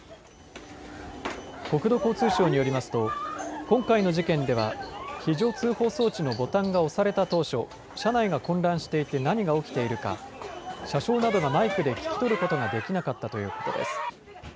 国土交通省によりますと今回の事件では非常通報装置のボタンが押された当初、車内が混乱していて何が起きているか車掌などがマイクで聞き取ることができなかったということです。